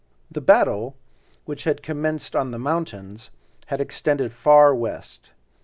The battle, which had commenced on the mountains, had extended far west.